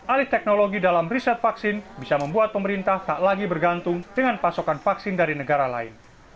alih teknologi dalam riset vaksin bisa membuat pemerintah tak lagi bergantung dengan pasokan vaksin dari negara lain